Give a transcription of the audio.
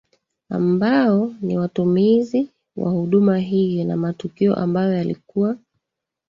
Ambao ni watumizi wa huduma hii na matukio ambayo yalikuwa